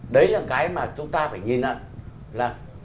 đấy là cái mà chúng ta phải nhìn là